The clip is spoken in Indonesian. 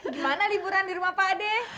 gimana liburan di rumah pak ade